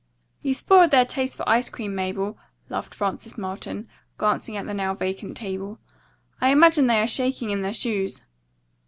"You spoiled their taste for ice cream, Mabel," laughed Frances Marlton, glancing at the now vacant table. "I imagine they are shaking in their shoes."